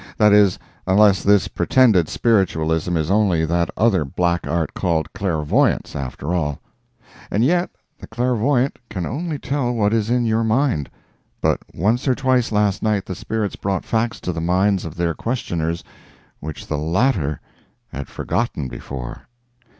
That is, unless this pretended spiritualism is only that other black art called clairvoyance, after all. And yet, the clairvoyant can only tell what is in your mind—but once or twice last night the spirits brought facts to the minds of their questioners which the latter had forgotten before.